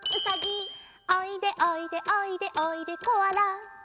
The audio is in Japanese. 「おいでおいでおいでおいで」「コアラ」「」